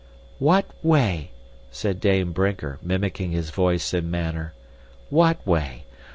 "What way," said Dame Brinker, mimicking his voice and manner. "What way?